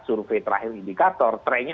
survei terakhir indikator trend nya